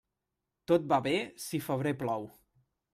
Tot va bé, si febrer plou.